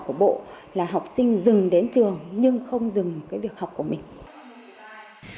học bộ là học sinh dừng đến trường nhưng không dừng việc học của mình